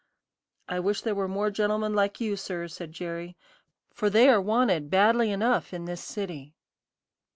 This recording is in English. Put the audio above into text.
"I wish there were more gentlemen like you, sir," said Jerry, "for they are wanted badly enough in this city."